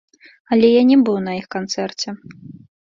Але я не быў на іх канцэрце.